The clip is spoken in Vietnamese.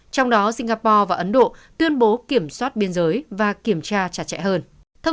trong đó singapore và ấn độ tuyên bố kiểm soát biên giới và kiểm tra chặt chẽ hơn